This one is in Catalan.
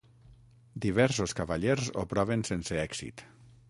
Diversos cavallers ho proven sense èxit.